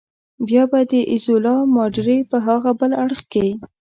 بیا به د ایزولا ماډرې په هاغه بل اړخ کې.